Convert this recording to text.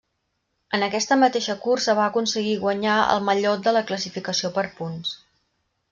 En aquesta mateixa cursa va aconseguir guanyar el mallot de la classificació per punts.